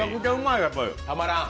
たまらん？